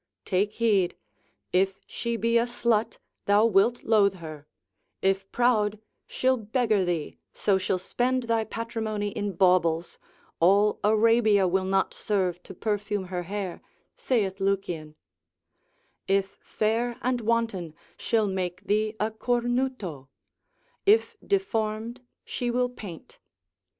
Take heed; if she be a slut, thou wilt loathe her; if proud, she'll beggar thee, so she'll spend thy patrimony in baubles, all Arabia will not serve to perfume her hair, saith Lucian; if fair and wanton, she'll make thee a cornuto; if deformed, she will paint.